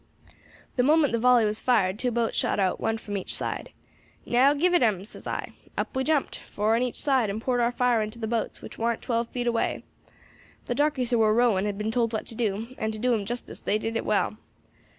"The moment the volley was fired two boats shot out, one from each side. 'Now, give it 'em,' says I. Up we jumped, four on each side, and poured our fire into the boats, which warn't twelve feet away. The darkies who war rowing had been told what to do, and, to do 'em justice, they did it well.